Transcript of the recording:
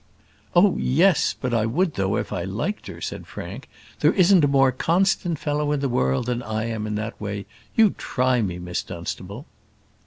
"Oh, yes! but I would though if I liked her," said Frank. "There isn't a more constant fellow in the world than I am in that way you try me, Miss Dunstable."